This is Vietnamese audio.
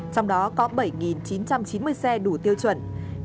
trong đó có bảy chín trăm chín mươi xe đủ tiêu chuẩn